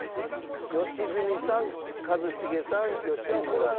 良純さん一茂さん吉村さん